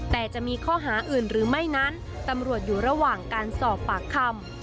แต่จะมีข้อหาอื่นหรือไม่นั้นตำรวจอยู่ระหว่างการสอบปากคำ